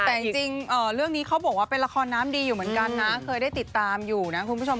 แต่จริงเรื่องนี้เขาบอกว่าเป็นละครน้ำดีอยู่เหมือนกันนะเคยได้ติดตามอยู่นะคุณผู้ชม